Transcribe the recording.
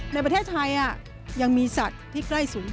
ในประเทศไทยยังมีสัตว์ที่ใกล้สูงสุด